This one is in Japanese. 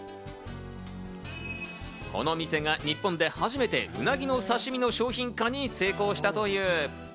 この店が日本で初めて、うなぎの刺し身の商品化に成功したという。